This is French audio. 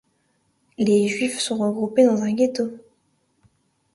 Les Juifs sont regroupés dans un ghetto.